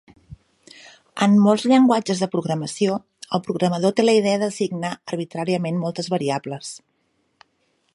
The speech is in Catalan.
En molts llenguatges de programació, el programador té la idea d'assignar arbitràriament moltes variables.